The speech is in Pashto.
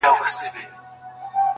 څنگه دي د زړه سيند ته غوټه سمه.